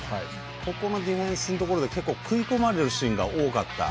ここのディフェンスのところで結構食い込まれるシーンが多かった。